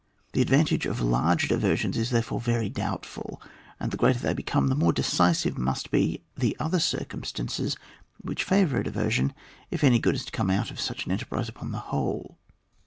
The advantage of large diver sions is, therefore, very doubtful, and the greater they become the more decisive must be the other circumstances which favour a diversion if any good is to come out of such an enterprise upon the whole.